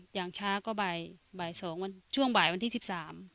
อย่างช้าก็บ่ายบ่ายสองวันช่วงบ่ายวันที่สิบสาม